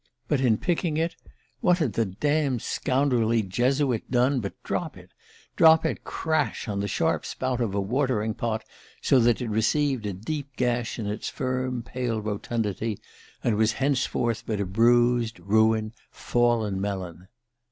But in picking it, what had the damned scoundrelly Jesuit done but drop it drop it crash on the sharp spout of a watering pot, so that it received a deep gash in its firm pale rotundity, and was henceforth but a bruised, ruined, fallen melon?